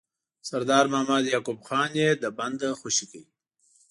سردار محمد یعقوب خان یې له بنده خوشي کړ.